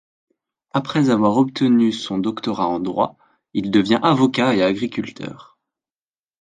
Après avoir obtenu son doctorat en droit, il devient avocat et agriculteur.